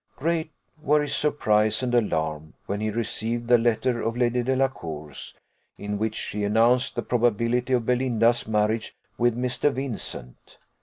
Great were his surprise and alarm when he received that letter of Lady Delacour's, in which she announced the probability of Belinda's marriage with Mr. Vincent.